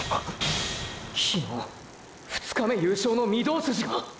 昨日２日目優勝の御堂筋が！！